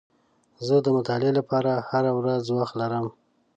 زه د مطالعې لپاره هره ورځ وخت لرم.